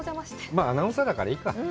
まあ、アナウンサーだから、いっか。